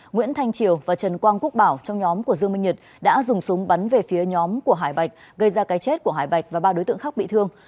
nguyễn thanh triều và trần quang quốc bảo trong nhóm của dương minh nhật đã dùng súng bắn về phía nhóm của hải bạch gây ra cái chết của hải bạch và ba đối tượng khác bị thương